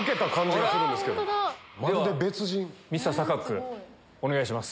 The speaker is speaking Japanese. ではＭｒ．サカックお願いします。